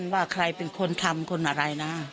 ว่าใครเป็นคนทำคนอะไรนะ